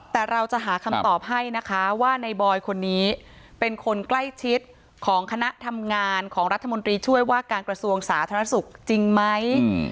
แต่เราจะหาคำตอบให้นะคะว่าในบอยคนนี้เป็นคนใกล้ชิดของคณะทำงานของรัฐมนตรีช่วยว่าการกระทรวงสาธารณสุขจริงไหม